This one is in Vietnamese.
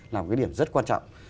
là một cái điểm rất quan trọng